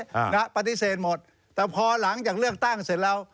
นะฮะปฏิเสธหมดแต่พอหลังจากเลือกตั้งเสร็จแล้ว